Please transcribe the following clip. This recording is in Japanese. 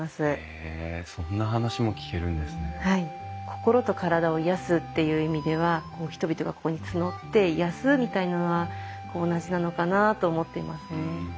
心と体を癒やすっていう意味では人々がここにつどって癒やすみたいなのは同じなのかなと思っていますね。